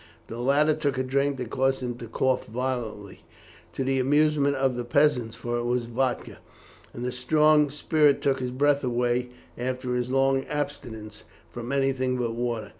The latter took a drink that caused him to cough violently, to the amusement of the peasants, for it was vodka, and the strong spirit took his breath away after his long abstinence from anything but water.